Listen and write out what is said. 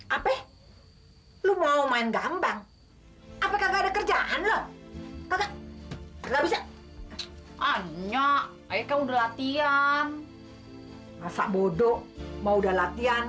apa lu mau main gambang kagak ada kerjaan loh nggak bisa hanya aku udah latihan masak bodo mau udah latihan